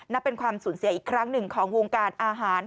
นับเป็นความสูญเสียอีกครั้งหนึ่งของวงการอาหาร